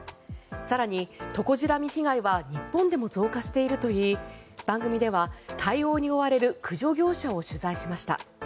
更に、トコジラミ被害は日本でも増加しているといい番組では対応に追われる駆除業者を取材しました。